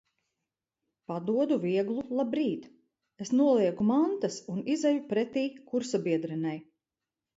Padodu vieglu labrīt. Es nolieku mantas un izeju pretī kursabiedrenei.